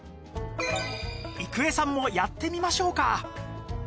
郁恵さんもやってみましょうか